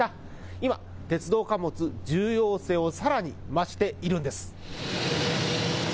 今、鉄道貨物、重要性をさらに増しているんです。